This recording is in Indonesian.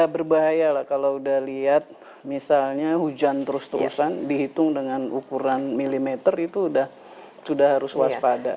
berbahaya lah kalau udah lihat misalnya hujan terus terusan dihitung dengan ukuran milimeter itu sudah harus waspada